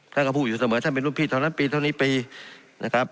ท่านก็พูดอยู่เสมอท่านเป็นรุ่นพี่เท่านั้นปีเท่านี้ปีนะครับ